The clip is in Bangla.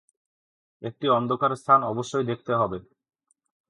একটি অন্ধকার স্থান অবশ্যই দেখতে হবে।